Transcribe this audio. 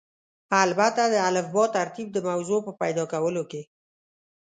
البته د الفبا ترتیب د موضوع په پیدا کولو کې.